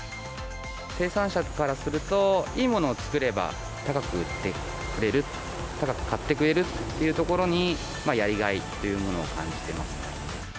生産者からすると、いいもの作れば、高く売ってくれる、高く買ってくれるというところに、やりがいというものを感じてます